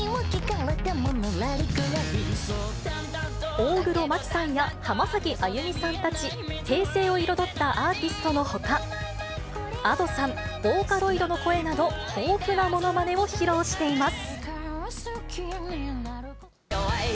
大黒摩季さんや浜崎あゆみさんたち、平成を彩ったアーティストのほか、Ａｄｏさん、ボーカロイドの声など、豊富なものまねを披露しています。